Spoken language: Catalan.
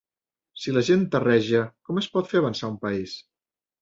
Si la gent terreja, com es pot fer avançar un país?